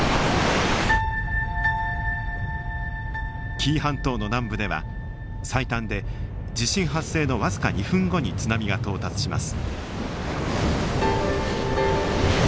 紀伊半島の南部では最短で地震発生の僅か２分後に津波が到達します。